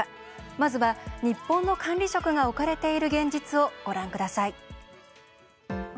まずは日本の管理職が置かれている現実をご覧ください。